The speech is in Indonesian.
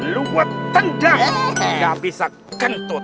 luwetendang gak bisa gentut